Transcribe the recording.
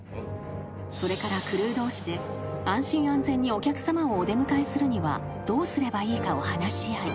［それからクルー同士で安心安全にお客さまをお出迎えするにはどうすればいいかを話し合い］